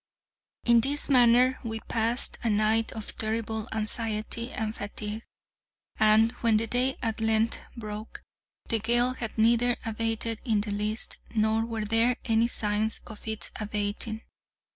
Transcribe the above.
In this manner we passed a night of terrible anxiety and fatigue, and, when the day at length broke, the gale had neither abated in the least, nor were there any signs of its abating.